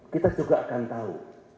kita juga akan tahu